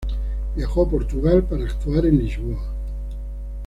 Viajó a Portugal para actuar en Lisboa.